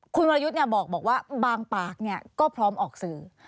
คุณวรยุทธ์บอกว่าบางปากก็พร้อมออกสื่อ